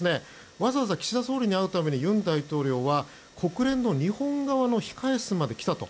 わざわざ岸田総理に会うために尹大統領は国連の日本側の控え室まで来たと。